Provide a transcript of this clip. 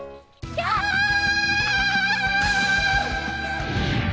キャーッ！